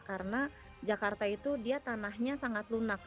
karena jakarta itu dia tanahnya sangat lunak